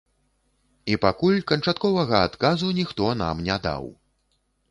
І пакуль канчатковага адказу ніхто нам не даў.